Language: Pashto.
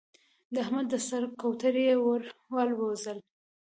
د احمد د سر کوترې يې ور والوزولې.